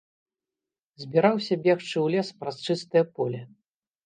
Збіраўся бегчы ў лес праз чыстае поле.